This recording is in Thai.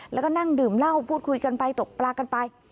แล้วก็นั่งดื่มเหล้าพูดคุยกันไปตกปลากันไป